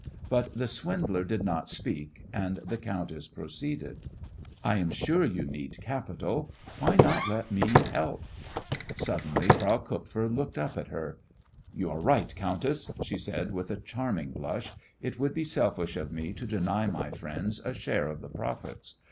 But the swindler did not speak, and the countess proceeded: "I am sure you need capital. Why not let me help?" Suddenly Frau Kupfer looked up at her. "You are right, countess," she said, with a charming blush. "It would be selfish of me to deny my friends a share of the profits.